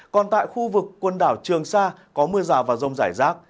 còn tại khu vực quần đảo trường sa có mưa rào và rông rải rác